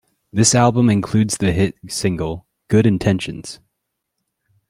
This album includes the hit single "Good Intentions".